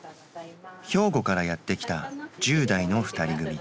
兵庫からやって来た１０代の２人組。